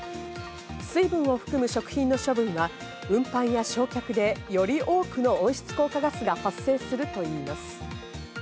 水分を含む食品の処分は運搬や焼却でより多くの温室効果ガスが発生するといいます。